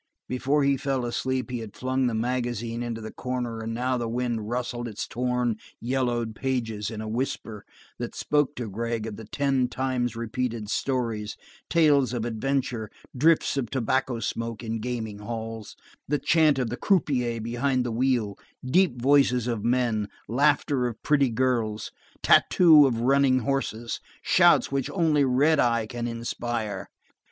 Before he fell asleep, he had flung the magazine into the corner and now the wind rustled its torn, yellowed pages in a whisper that spoke to Gregg of the ten times repeated stories, tales of adventure, drifts of tobacco smoke in gaming halls, the chant of the croupier behind the wheel, deep voices of men, laughter of pretty girls, tatoo of running horses, shouts which only redeye can inspire.